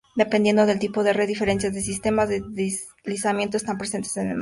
Dependiendo del tipo de red, diferentes sistemas de deslizamiento están presentes en el material.